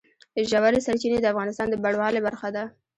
ژورې سرچینې د افغانستان د بڼوالۍ برخه ده.